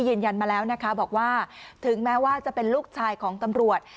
ยืนยันมาแล้วนะคะบอกว่าถึงแม้ว่าจะเป็นลูกชายของตำรวจ